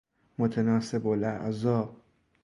متناسب الاعضاء